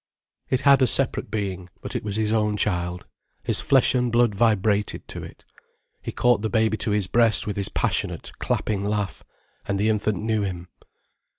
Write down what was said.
It had a separate being, but it was his own child. His flesh and blood vibrated to it. He caught the baby to his breast with his passionate, clapping laugh. And the infant knew him.